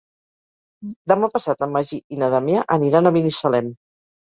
Demà passat en Magí i na Damià aniran a Binissalem.